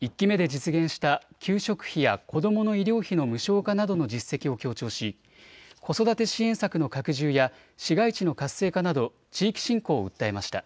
１期目で実現した給食費や子どもの医療費などの無償化などの実績を強調し子育て支援策の拡充や市街地の活性化など地域振興を訴えました。